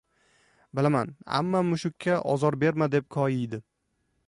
Bilaman, ammam «mushukka ozor berma», deb koyiydi.